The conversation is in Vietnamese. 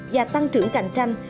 và tăng trưởng cạnh tranh